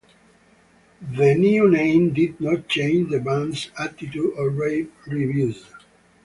The new name did not change the band's attitude or rave reviews.